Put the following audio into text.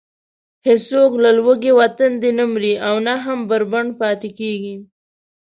هېڅوک له لوږې و تندې نه مري او نه هم بربنډ پاتې کېږي.